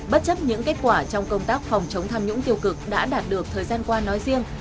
bất chấp những kết quả trong công tác phòng chống tham nhũng tiêu cực đã đạt được thời gian qua nói riêng